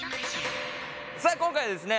さあ今回はですね